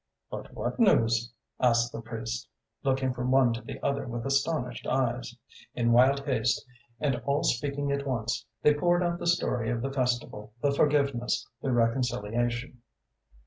"But what news?" asked the priest, looking from one to the other with astonished eyes. In wild haste, and all speaking at once, they poured out the story of the festival, the forgiveness, the reconciliation.